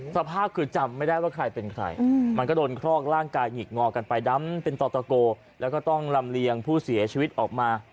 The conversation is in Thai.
สภาพคือจำไม่ได้ว่าใครเป็นใครมันก็โดนคลอกร่างกายหงิกงอกันไปดำเป็นต่อตะโกแล้วก็ต้องลำเลียงผู้เสียชีวิตออกมา